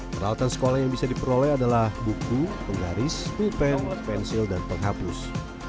peralatan sekolah yang bisa diperoleh adalah buku penggaris filpen pensil dan penghapus